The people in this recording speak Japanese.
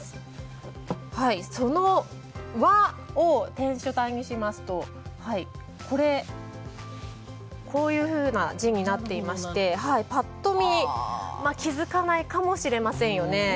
園和小学校を篆書体にしますとこういうふうな字になっていましてパッと見、気づかないかもしれませんよね。